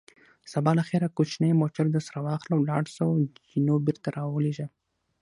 سبا له خیره کوچنی موټر درسره واخله، ولاړ شه او جینو بېرته را ولېږه.